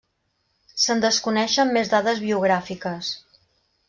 Se'n desconeixen més dades biogràfiques.